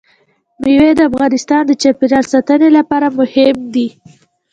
مېوې د افغانستان د چاپیریال ساتنې لپاره مهم دي.